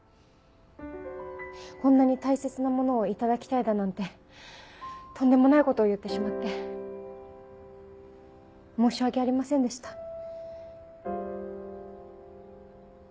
こんなに大切なものを頂きたいだなんてとんでもないことを言ってしまって申し訳ありませんでした。